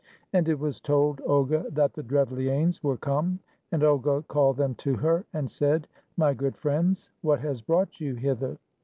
And it was told Olga that the Drevlianes were come, and Olga called them to her, and said: "My good friends, what has brought you hither?"